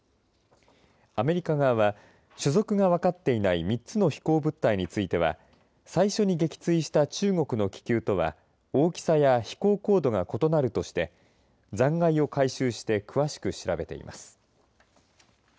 アメリカ側は所属が分かっていない３つの飛行物体については最初に撃墜した中国の気球とは大きさや飛行高度が異なるとして残骸を回収して詳しく調べています。